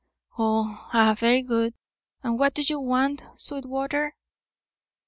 "Oh, ah, very good. And what do you want, Sweetwater?"